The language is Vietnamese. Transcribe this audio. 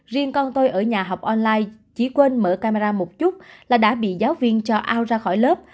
riêng con tôi ở nhà học online chỉ quên mở camera một chút là đã bị giáo viên cho ao ra khỏi lớp